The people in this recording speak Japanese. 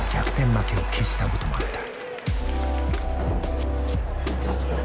負けを喫したこともあった。